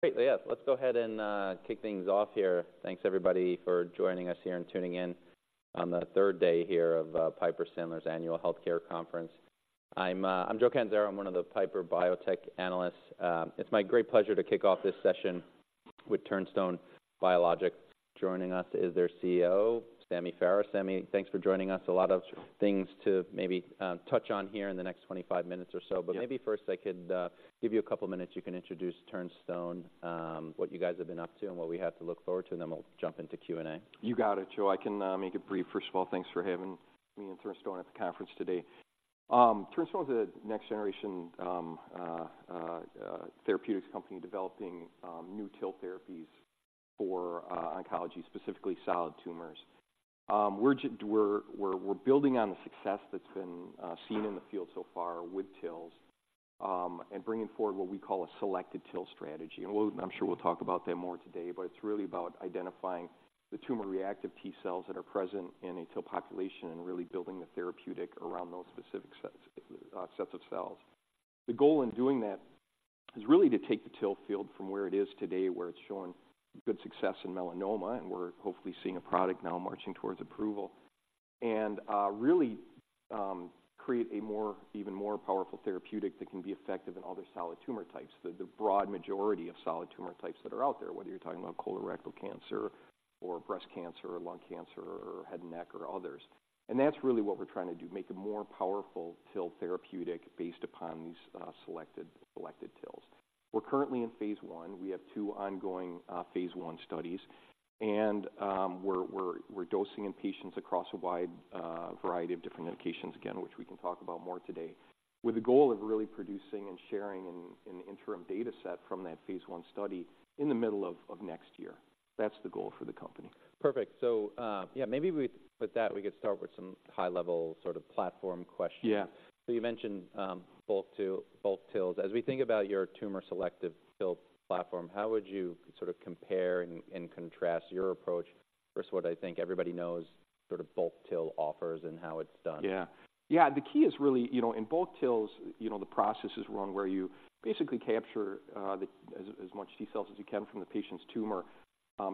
Great. Well, yes, let's go ahead and kick things off here. Thanks, everybody, for joining us here and tuning in on the third day here of Piper Sandler's Annual Healthcare Conference. I'm Joe Catanzaro. I'm one of the Piper biotech analysts. It's my great pleasure to kick off this session with Turnstone Biologics. Joining us is their CEO, Sammy Farah. Sammy, thanks for joining us. A lot of things to maybe touch on here in the next 25 minutes or so. Yeah. Maybe first I could give you a couple minutes, you can introduce Turnstone, what you guys have been up to and what we have to look forward to, and then we'll jump into Q&A. You got it, Joe. I can make it brief. First of all, thanks for having me and Turnstone at the conference today. Turnstone is a next-generation therapeutics company developing new TIL therapies for oncology, specifically solid tumors. We're just building on the success that's been seen in the field so far with TILs, and bringing forward what we call a selected TIL strategy. And we'll, I'm sure we'll talk about that more today, but it's really about identifying the tumor-reactive T cells that are present in a TIL population and really building the therapeutic around those specific sets of cells. The goal in doing that is really to take the TIL field from where it is today, where it's showing good success in melanoma, and we're hopefully seeing a product now marching towards approval, and really create a more, even more powerful therapeutic that can be effective in other solid tumor types, the broad majority of solid tumor types that are out there, whether you're talking about colorectal cancer or breast cancer or lung cancer or head and neck or others. That's really what we're trying to do, make a more powerful TIL therapeutic based upon these selected TILs. We're currently in phase I. We have two ongoing phase I studies, and we're dosing in patients across a wide variety of different indications, again, which we can talk about more today, with the goal of really producing and sharing an interim data set from that phase I study in the middle of next year. That's the goal for the company. Perfect. So, yeah, maybe with that, we could start with some high-level sort of platform questions. Yeah. So you mentioned bulk TILs. As we think about your tumor-selective TIL platform, how would you sort of compare and contrast your approach versus what I think everybody knows sort of bulk TIL offers and how it's done? Yeah. Yeah, the key is really, you know, in bulk TILs, you know, the process is run where you basically capture as much T cells as you can from the patient's tumor,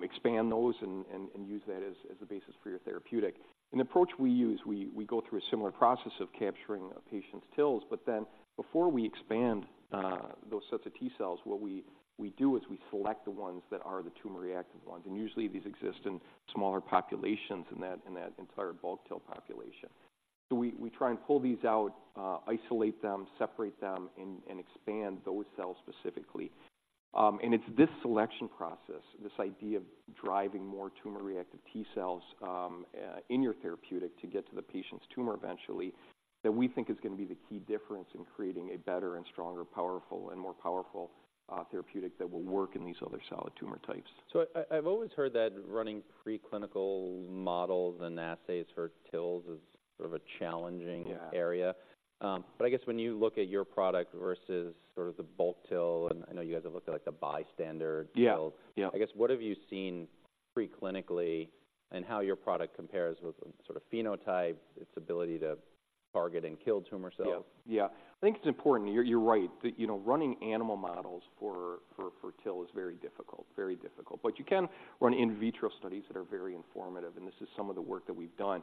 expand those and use that as a basis for your therapeutic. An approach we use, we go through a similar process of capturing a patient's TILs, but then before we expand those sets of T cells, what we do is we select the ones that are the tumor-reactive ones, and usually these exist in smaller populations in that entire bulk TIL population. So we try and pull these out, isolate them, separate them, and expand those cells specifically. It's this selection process, this idea of driving more tumor-reactive T cells in your therapeutic to get to the patient's tumor eventually, that we think is going to be the key difference in creating a better and stronger, powerful and more powerful, therapeutic that will work in these other solid tumor types. I've always heard that running preclinical models and assays for TILs is sort of a challenging- Yeah Area. But I guess when you look at your product versus sort of the Bulk TIL, and I know you guys have looked at, like, the Bystander TILs. Yeah, yeah. I guess, what have you seen preclinically and how your product compares with sort of phenotype, its ability to target and kill tumor cells? Yeah. Yeah, I think it's important. You're right that, you know, running animal models for TIL is very difficult, very difficult, but you can run in vitro studies that are very informative, and this is some of the work that we've done.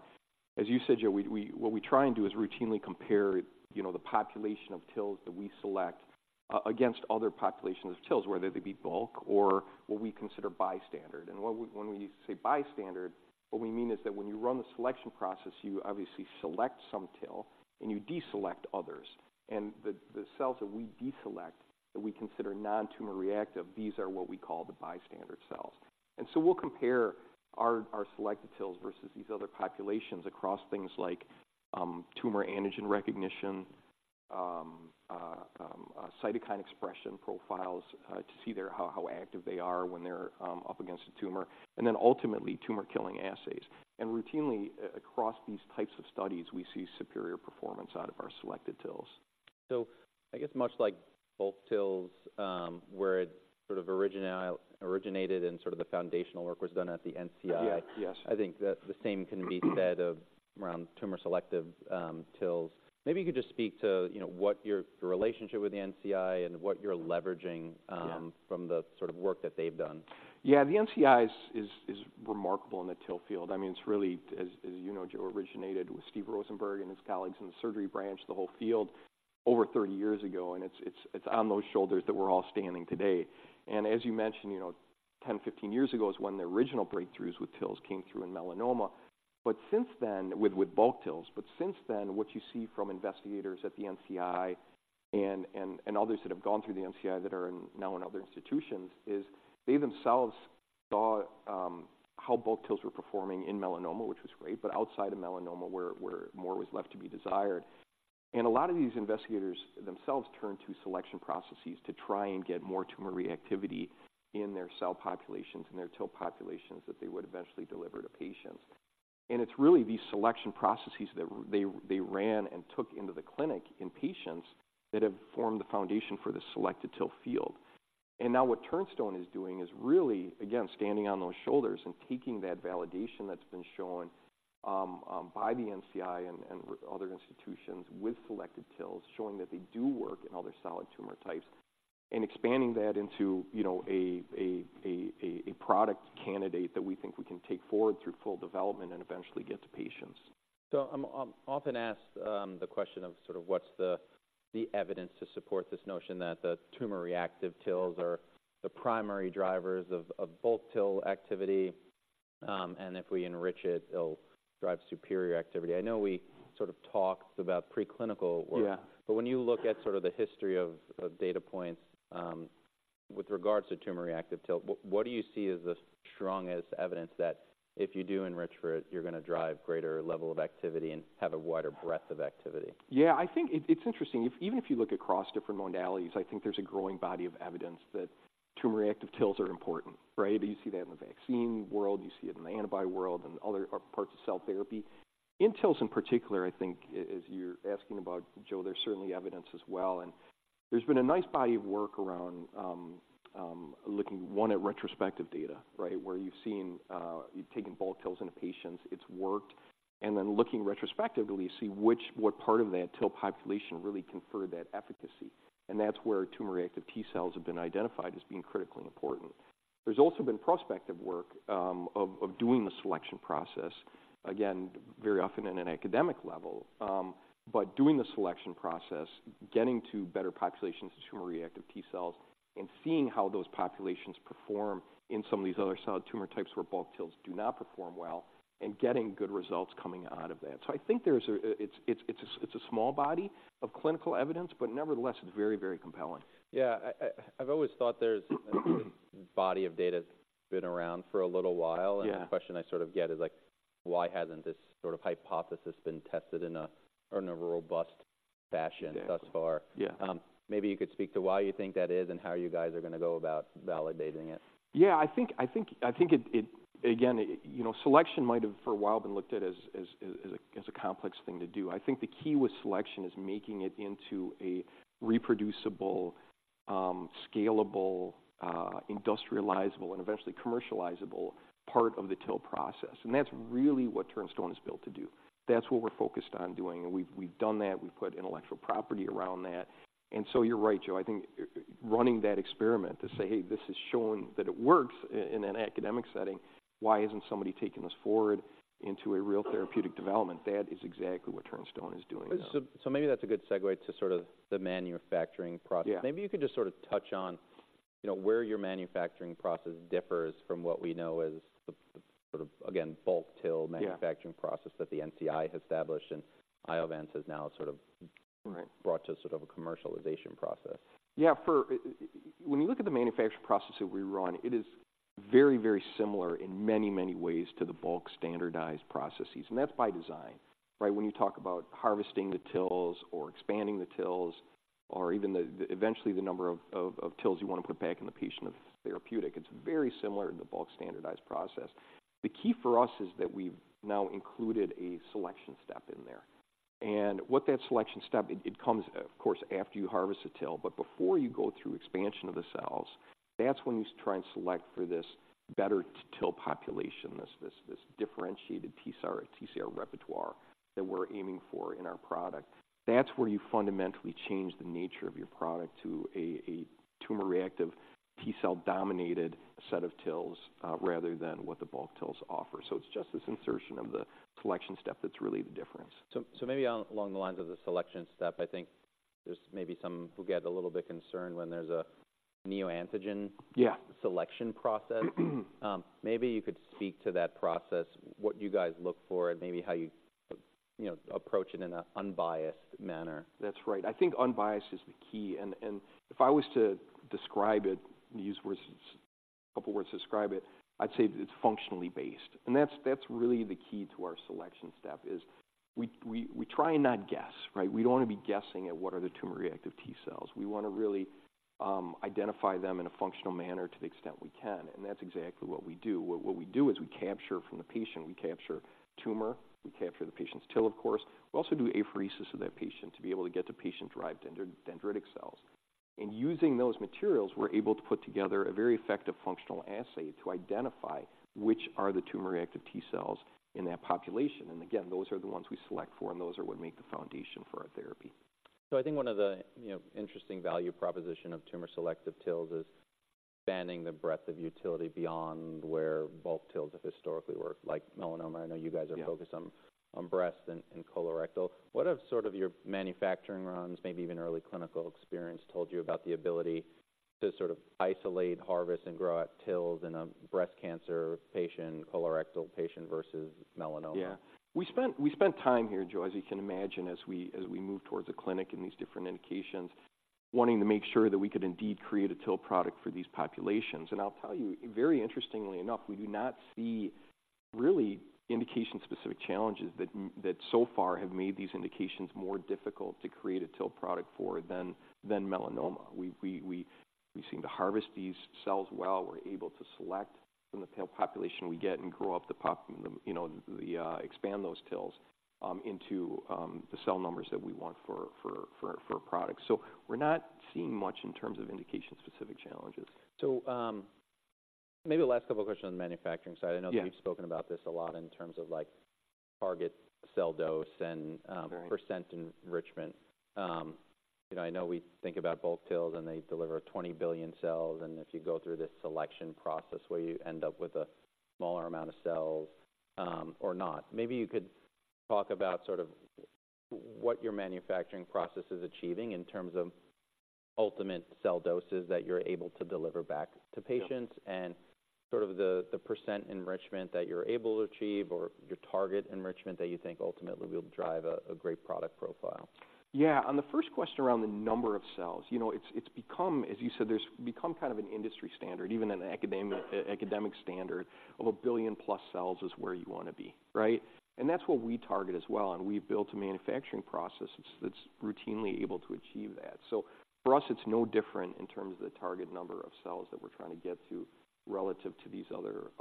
As you said, Joe, what we try and do is routinely compare, you know, the population of TILs that we select against other populations of TILs, whether they be bulk or what we consider bystander. And when we say bystander, what we mean is that when you run the selection process, you obviously select some TIL, and you deselect others. And the cells that we deselect, that we consider non-tumor reactive, these are what we call the bystander cells. So we'll compare our selected TILs versus these other populations across things like tumor antigen recognition, cytokine expression profiles, to see how active they are when they're up against a tumor, and then ultimately tumor killing assays. Routinely, across these types of studies, we see superior performance out of our selected TILs. I guess much like Bulk TILs, where it sort of originated and sort of the foundational work was done at the NCI. Yeah. Yes. I think that the same can be said of our tumor-selective TILs. Maybe you could just speak to, you know, what your, your relationship with the NCI and what you're leveraging- Yeah From the sort of work that they've done. Yeah, the NCI is remarkable in the TIL field. I mean, it's really, as you know, Joe, originated with Steve Rosenberg and his colleagues in the surgery branch, the whole field over 30 years ago, and it's on those shoulders that we're all standing today. As you mentioned, you know, 10, 15 years ago is when the original breakthroughs with TILs came through in melanoma. But since then, with bulk TILs, but since then, what you see from investigators at the NCI and others that have gone through the NCI that are now in other institutions is they themselves saw how bulk TILs were performing in melanoma, which was great, but outside of melanoma, where more was left to be desired. And a lot of these investigators themselves turned to selection processes to try and get more tumor reactivity in their cell populations and their TIL populations that they would eventually deliver to patients. And it's really these selection processes that they ran and took into the clinic in patients that have formed the foundation for the selected TIL field. And now what Turnstone is doing is really, again, standing on those shoulders and taking that validation that's been shown by the NCI and other institutions with selected TILs, showing that they do work in other solid tumor types and expanding that into, you know, a product candidate that we think we can take forward through full development and eventually get to patients. I'm often asked the question of sort of what's the evidence to support this notion that the tumor-reactive TILs are the primary drivers of bulk TIL activity, and if we enrich it, it'll drive superior activity. I know we sort of talked about preclinical work. Yeah. But when you look at sort of the history of data points, with regards to tumor-reactive TIL, what do you see as the strongest evidence that if you do enrich for it, you're gonna drive greater level of activity and have a wider breadth of activity? Yeah, I think it's interesting. Even if you look across different modalities, I think there's a growing body of evidence that tumor-reactive TILs are important, right? You see that in the vaccine world, you see it in the antibody world, and other parts of cell therapy. In TILs, in particular, I think as you're asking about, Joe, there's certainly evidence as well, and there's been a nice body of work around looking at retrospective data, right? Where you've seen you've taken bulk TILs in patients, it's worked. Then looking retrospectively, you see what part of that TIL population really conferred that efficacy, and that's where tumor-reactive T cells have been identified as being critically important. There's also been prospective work of doing the selection process, again, very often in an academic level. But doing the selection process, getting to better populations of tumor-reactive T cells, and seeing how those populations perform in some of these other solid tumor types where bulk TILs do not perform well and getting good results coming out of that. So I think there's a small body of clinical evidence, but nevertheless, it's very, very compelling. Yeah. I've always thought there's a body of data that's been around for a little while. Yeah. The question I sort of get is like, why hasn't this sort of hypothesis been tested in a robust fashion? Yeah - thus far? Yeah. Maybe you could speak to why you think that is and how you guys are gonna go about validating it? Yeah, I think it. Again, you know, selection might have, for a while, been looked at as a complex thing to do. I think the key with selection is making it into a reproducible, scalable, industrializable, and eventually commercializable part of the TIL process, and that's really what Turnstone is built to do. That's what we're focused on doing, and we've done that. We've put intellectual property around that. And so you're right, Joe, I think, running that experiment to say, "Hey, this is showing that it works in an academic setting. Why isn't somebody taking this forward into a real therapeutic development?" That is exactly what Turnstone is doing now. So, maybe that's a good segue to sort of the manufacturing process. Yeah. Maybe you could just sort of touch on, you know, where your manufacturing process differs from what we know as the sort of, again, bulk TIL- Yeah manufacturing process that the NCI has established, and Iovance has now sort of- Right brought to sort of a commercialization process. Yeah, when you look at the manufacturing process that we run, it is very, very similar in many, many ways to the bulk standardized processes, and that's by design, right? When you talk about harvesting the TILs or expanding the TILs or even the eventually, the number of TILs you want to put back in the patient of therapeutic, it's very similar to the bulk standardized process. The key for us is that we've now included a selection step in there. And what that selection step it comes, of course, after you harvest the TIL, but before you go through expansion of the cells, that's when you try and select for this better TIL population, this differentiated TCR repertoire that we're aiming for in our product. That's where you fundamentally change the nature of your product to a tumor-reactive T cell-dominated set of TILs, rather than what the bulk TILs offer. So it's just this insertion of the selection step that's really the difference. So maybe along the lines of the selection step, I think there's maybe some who get a little bit concerned when there's a neoantigen- Yeah - selection process. Maybe you could speak to that process, what you guys look for, and maybe how you, you know, approach it in an unbiased manner. That's right. I think unbiased is the key, and if I was to describe it and use words, a couple words to describe it, I'd say it's functionally based, and that's really the key to our selection step is we try and not guess, right? We don't want to be guessing at what are the tumor-reactive T cells. We want to really identify them in a functional manner to the extent we can, and that's exactly what we do. What we do is we capture from the patient, we capture tumor, we capture the patient's TIL, of course. We also do apheresis of that patient to be able to get the patient-derived dendritic cells. And using those materials, we're able to put together a very effective functional assay to identify which are the tumor-reactive T cells in that population. And again, those are the ones we select for, and those are what make the foundation for our therapy. So I think one of the, you know, interesting value proposition of tumor-selective TILs is expanding the breadth of utility beyond where bulk TILs have historically worked, like melanoma. I know you guys are- Yeah focused on breast and colorectal. What have sort of your manufacturing runs, maybe even early clinical experience, told you about the ability to sort of isolate, harvest, and grow out TILs in a breast cancer patient, colorectal patient, versus melanoma? Yeah. We spent time here, Joe, as you can imagine, as we moved towards a clinic in these different indications, wanting to make sure that we could indeed create a TIL product for these populations. And I'll tell you, very interestingly enough, we do not see really indication-specific challenges that so far have made these indications more difficult to create a TIL product for than melanoma. We seem to harvest these cells well. We're able to select from the TIL population we get and grow up, you know, expand those TILs into the cell numbers that we want for products. So we're not seeing much in terms of indication-specific challenges. Maybe the last couple of questions on the manufacturing side. Yeah. I know that we've spoken about this a lot in terms of, like, target cell dose and, Right Percent enrichment. You know, I know we think about bulk TILs, and they deliver 20 billion cells, and if you go through this selection process where you end up with a smaller amount of cells, or not. Maybe you could talk about sort of what your manufacturing process is achieving in terms of ultimate cell doses that you're able to deliver back to patients? Yeah and sort of the % enrichment that you're able to achieve or your target enrichment that you think ultimately will drive a great product profile. Yeah. On the first question around the number of cells, you know, it's become, as you said, there's become kind of an industry standard, even an academic standard of 1 billion-plus cells is where you want to be, right? And that's what we target as well, and we've built a manufacturing process that's routinely able to achieve that. So for us, it's no different in terms of the target number of cells that we're trying to get to relative to these other,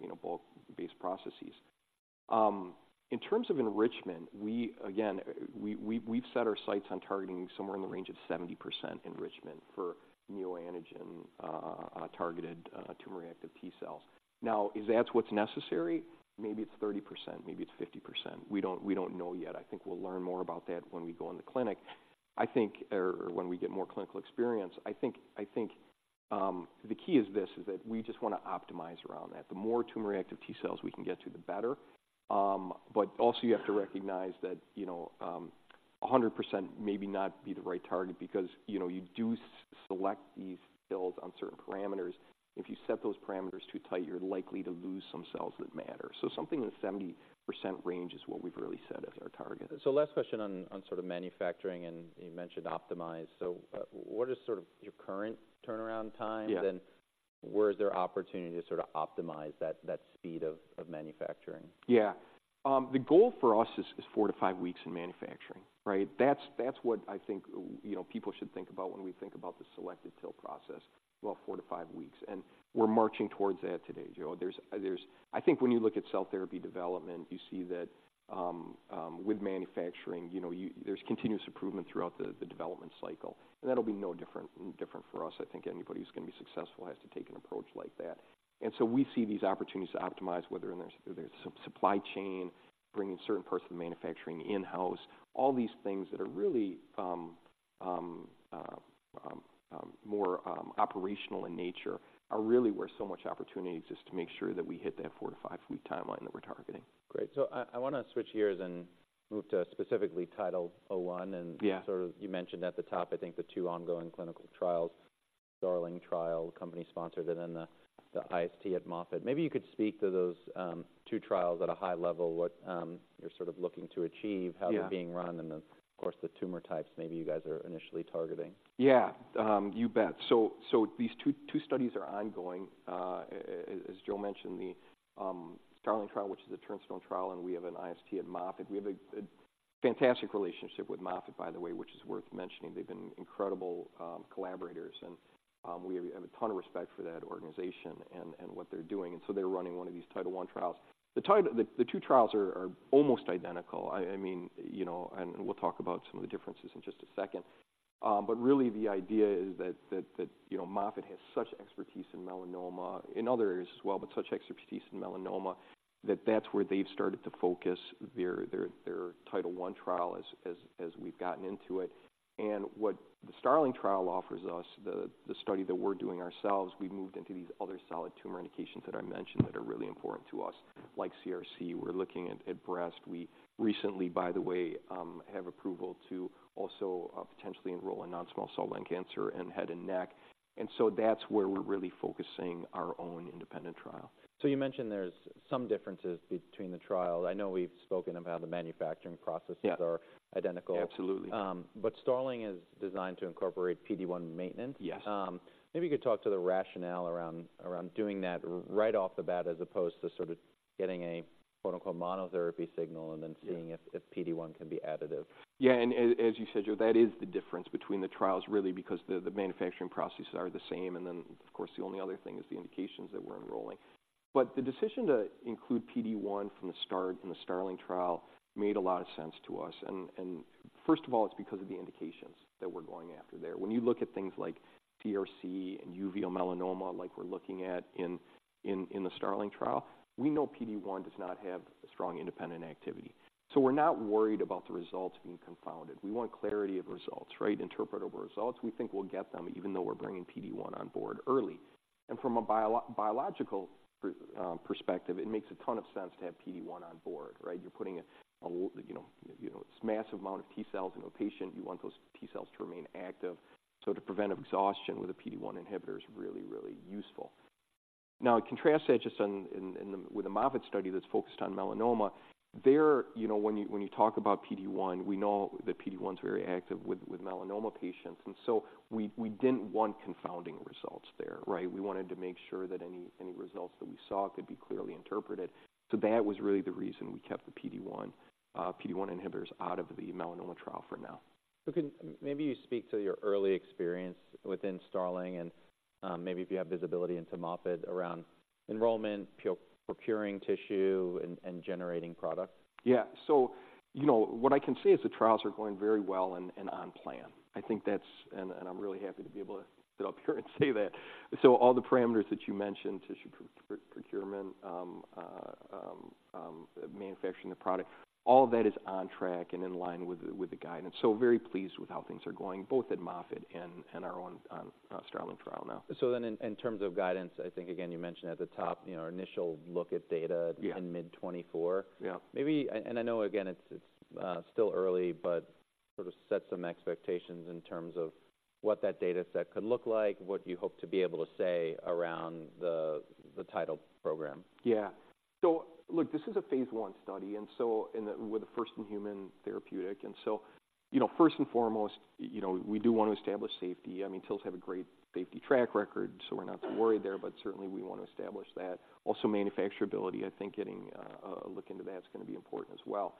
you know, bulk-based processes. In terms of enrichment, we again, we've set our sights on targeting somewhere in the range of 70% enrichment for neoantigen targeted tumor-reactive T cells. Now, is that what's necessary? Maybe it's 30%, maybe it's 50%. We don't know yet. I think we'll learn more about that when we go in the clinic, I think, or when we get more clinical experience. I think the key is this, is that we just want to optimize around that. The more tumor-reactive T cells we can get to, the better. But also you have to recognize that, you know, 100% maybe not be the right target because, you know, you do select these TILs on certain parameters. If you set those parameters too tight, you're likely to lose some cells that matter. So something in the 70% range is what we've really set as our target. Last question on sort of manufacturing, and you mentioned optimize. So, what is sort of your current turnaround time? Yeah. Then where is there opportunity to sort of optimize that speed of manufacturing? Yeah. The goal for us is 4-5 weeks in manufacturing, right? That's what I think, you know, people should think about when we think about the Selected TIL process, about 4-5 weeks, and we're marching towards that today, Joe. I think when you look at cell therapy development, you see that, with manufacturing, you know, there's continuous improvement throughout the development cycle, and that'll be no different for us. I think anybody who's gonna be successful has to take an approach like that. And so we see these opportunities to optimize whether there's some supply chain, bringing certain parts of the manufacturing in-house. All these things that are really operational in nature are really where so much opportunity exists to make sure that we hit that 4-to-5-week timeline that we're targeting. Great. So I wanna switch gears and move to specifically TIDAL-01. Yeah. Sort of you mentioned at the top, I think, the two ongoing clinical trials, STARLING trial, company sponsored, and then the IST at Moffitt. Maybe you could speak to those two trials at a high level, what you're sort of looking to achieve- Yeah How they're being run, and then, of course, the tumor types maybe you guys are initially targeting. Yeah. You bet. So these two studies are ongoing. As Joe mentioned, the STARLING trial, which is a Turnstone trial, and we have an IST at Moffitt. We have a fantastic relationship with Moffitt, by the way, which is worth mentioning. They've been incredible collaborators, and we have a ton of respect for that organization and what they're doing, and so they're running one of these TIDAL-01 trials. The two trials are almost identical. I mean, you know, and we'll talk about some of the differences in just a second. But really, the idea is that you know, Moffitt has such expertise in melanoma, in other areas as well, but such expertise in melanoma, that that's where they've started to focus their TIDAL-01 trial as we've gotten into it. And what the STARLING trial offers us, the study that we're doing ourselves, we've moved into these other solid tumor indications that I mentioned that are really important to us, like CRC. We're looking at breast. We recently, by the way, have approval to also potentially enroll in non-small cell lung cancer and head and neck, and so that's where we're really focusing our own independent trial. You mentioned there's some differences between the trials. I know we've spoken about the manufacturing processes. Yeah Are identical. Absolutely. STARLING is designed to incorporate PD-1 maintenance. Yes. Maybe you could talk to the rationale around doing that right off the bat, as opposed to sort of getting a, quote, unquote, "monotherapy signal" and then- Yeah Seeing if PD-1 can be additive. Yeah, and as you said, Joe, that is the difference between the trials, really because the manufacturing processes are the same, and then, of course, the only other thing is the indications that we're enrolling. But the decision to include PD-1 from the start in the Starling trial made a lot of sense to us, and first of all, it's because of the indications that we're going after there. When you look at things like CRC and uveal melanoma, like we're looking at in the Starling trial, we know PD-1 does not have a strong independent activity, so we're not worried about the results being confounded. We want clarity of results, right? Interpretable results. We think we'll get them, even though we're bringing PD-1 on board early. From a biological perspective, it makes a ton of sense to have PD-1 on board, right? You're putting a you know massive amount of T cells in a patient. You want those T cells to remain active, so to prevent exhaustion with a PD-1 inhibitor is really, really useful. Now, contrast that with the Moffitt study that's focused on melanoma, there you know when you talk about PD-1, we know that PD-1's very active with melanoma patients, and so we didn't want confounding results there, right? We wanted to make sure that any results that we saw could be clearly interpreted. So that was really the reason we kept the PD-1 inhibitors out of the melanoma trial for now. So can maybe you speak to your early experience within STARLING, and maybe if you have visibility into Moffitt around enrollment, procuring tissue, and generating product? Yeah. So, you know, what I can say is the trials are going very well and on plan. I think that's, and I'm really happy to be able to sit up here and say that. So all the parameters that you mentioned, tissue procurement, manufacturing the product, all of that is on track and in line with the guidance. So very pleased with how things are going, both at Moffitt and our own STARLING trial now. So then, in terms of guidance, I think again, you mentioned at the top, you know, initial look at data- Yeah. - in mid-2024. Yeah. Maybe, and I know again, it's still early, but sort of set some expectations in terms of what that data set could look like, what you hope to be able to say around the Tidal program. Yeah. So look, this is a phase I study, and so we're the first in human therapeutic, and so, you know, first and foremost, you know, we do want to establish safety. I mean, TILs have a great safety track record, so we're not too worried there, but certainly we want to establish that. Also manufacturability, I think getting a look into that is gonna be important as well.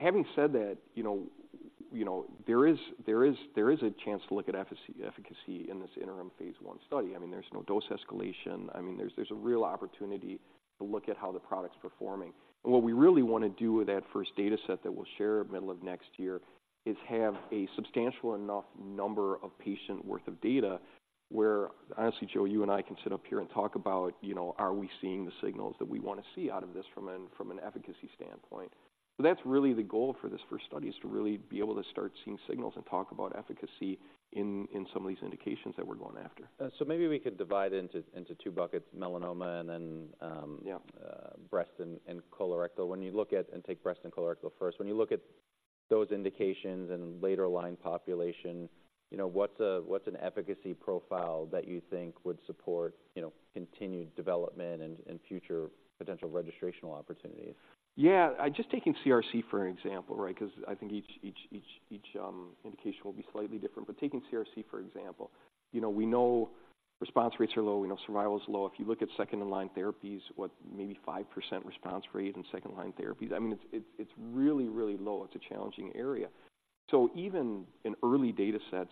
Having said that, you know, there is a chance to look at efficacy in this interim phase I study. I mean, there's no dose escalation. I mean, there's a real opportunity to look at how the product's performing. What we really wanna do with that first dataset that we'll share at middle of next year is have a substantial enough number of patient worth of data, where honestly, Joe, you and I can sit up here and talk about, you know, are we seeing the signals that we want to see out of this from an, from an efficacy standpoint? So that's really the goal for this first study, is to really be able to start seeing signals and talk about efficacy in, in some of these indications that we're going after. So maybe we could divide into two buckets, melanoma and then Yeah Breast and colorectal. When you look at, and take breast and colorectal first, when you look at those indications and later line population, you know, what's an efficacy profile that you think would support, you know, continued development and future potential registrational opportunities? Yeah, just taking CRC, for example, right? Because I think each indication will be slightly different. But taking CRC, for example, you know, we know response rates are low, we know survival is low. If you look at second-line therapies, what, maybe 5% response rate in second-line therapies, I mean, it's really, really low. It's a challenging area. So even in early datasets,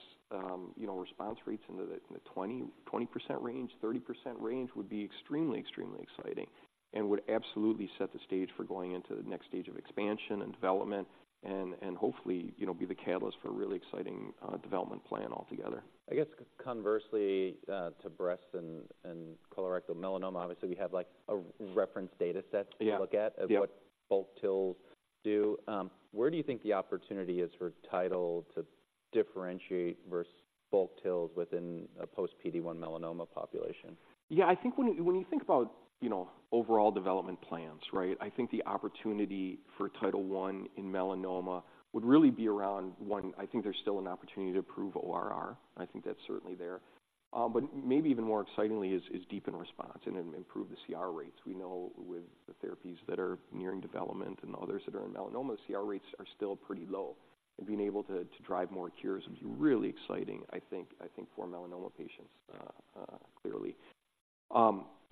you know, response rates in the 20-20% range, 30% range would be extremely, extremely exciting and would absolutely set the stage for going into the next stage of expansion and development, and hopefully, you know, be the catalyst for a really exciting development plan altogether. I guess conversely, to breast and colorectal melanoma, obviously, we have, like, a reference dataset Yeah To look at Yeah Of what Bulk TILs do. Where do you think the opportunity is for TIDAL to differentiate versus Bulk TILs within a post-PD-1 melanoma population? Yeah, I think when you, when you think about, you know, overall development plans, right? I think the opportunity for TIDAL-01 in melanoma would really be around, one, I think there's still an opportunity to prove ORR. I think that's certainly there. But maybe even more excitingly is deepen response and improve the CR rates. We know with the therapies that are nearing development and others that are in melanoma, CR rates are still pretty low, and being able to drive more cures would be really exciting, I think, I think for melanoma patients, clearly.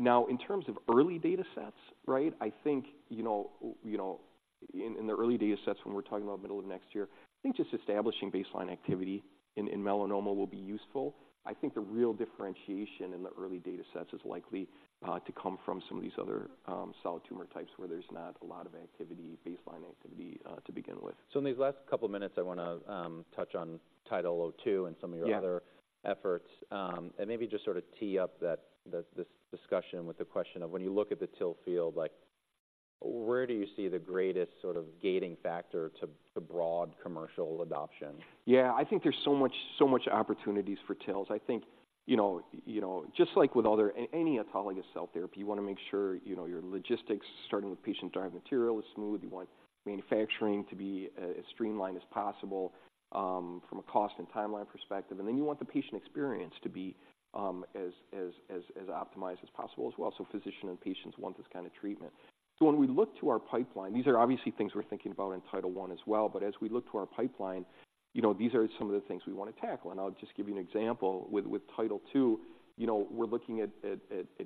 Now, in terms of early datasets, right? I think, you know, you know, in, in the early datasets, when we're talking about middle of next year, I think just establishing baseline activity in, in melanoma will be useful. I think the real differentiation in the early datasets is likely to come from some of these other solid tumor types, where there's not a lot of activity, baseline activity, to begin with. So in these last couple minutes, I wanna touch on TIDAL-02 and some of your- Yeah Other efforts. And maybe just sort of tee up that, this discussion with the question of, when you look at the TIL field, like where do you see the greatest sort of gating factor to broad commercial adoption? Yeah. I think there's so much, so much opportunities for TILs. I think, you know, you know, just like with other any autologous cell therapy, you wanna make sure, you know, your logistics, starting with patient-derived material, is smooth. You want manufacturing to be as streamlined as possible from a cost and timeline perspective. And then you want the patient experience to be as optimized as possible as well. So physician and patients want this kind of treatment. So when we look to our pipeline, these are obviously things we're thinking about in TIDAL-01 as well. But as we look to our pipeline, you know, these are some of the things we wanna tackle, and I'll just give you an example. With TIDAL-02, you know, we're looking at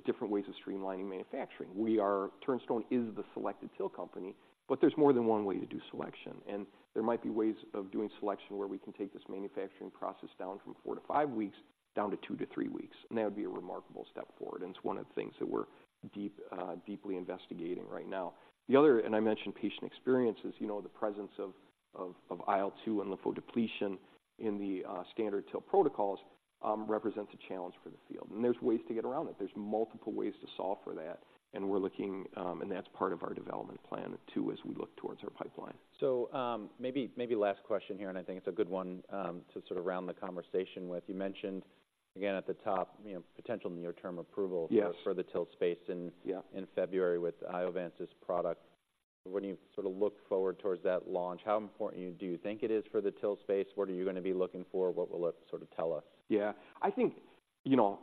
different ways of streamlining manufacturing. We are Turnstone is the selected TIL company, but there's more than one way to do selection, and there might be ways of doing selection where we can take this manufacturing process down from four to five weeks, down to two to three weeks, and that would be a remarkable step forward. It's one of the things that we're deeply investigating right now. The other, and I mentioned patient experiences, you know, the presence of IL-2 and lymphodepletion in the standard TIL protocols represents a challenge for the field, and there's ways to get around it. There's multiple ways to solve for that, and we're looking, and that's part of our development plan, too, as we look towards our pipeline. So, maybe last question here, and I think it's a good one, to sort of round the conversation with. You mentioned, again, at the top, you know, potential near-term approval- Yes For the TIL space in Yeah In February with Iovance's product. When you sort of look forward toward that launch, how important do you think it is for the TIL space? What are you gonna be looking for? What will it sort of tell us? Yeah. I think, you know,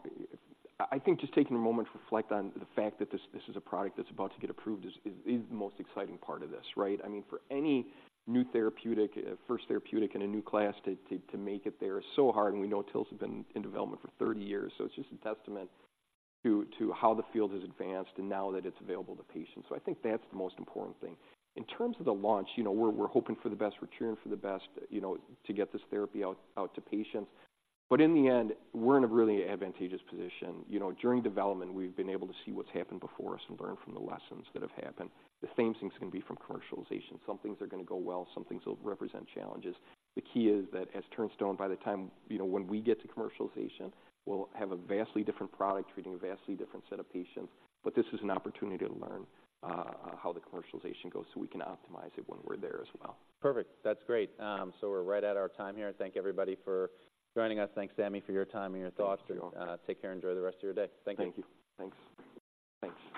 I think just taking a moment to reflect on the fact that this is a product that's about to get approved is the most exciting part of this, right? I mean, for any new therapeutic, first therapeutic in a new class to make it there is so hard, and we know TILs have been in development for 30 years. So it's just a testament to how the field has advanced and now that it's available to patients. So I think that's the most important thing. In terms of the launch, you know, we're hoping for the best, we're cheering for the best, you know, to get this therapy out to patients. But in the end, we're in a really advantageous position. You know, during development, we've been able to see what's happened before us and learn from the lessons that have happened. The same thing's gonna be from commercialization. Some things are gonna go well, some things will represent challenges. The key is that as Turnstone, by the time, you know, when we get to commercialization, we'll have a vastly different product treating a vastly different set of patients. But this is an opportunity to learn how the commercialization goes, so we can optimize it when we're there as well. Perfect. That's great. So we're right at our time here. Thank everybody for joining us. Thanks, Sammy, for your time and your thoughts. Thank you. Take care, enjoy the rest of your day. Thank you. Thank you. Thanks. Thanks.